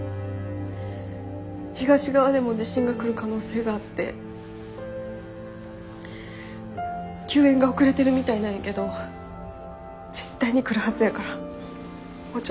東側でも地震が来る可能性があって救援が遅れてるみたいなんやけど絶対に来るはずやからもうちょっとだけ頑張って。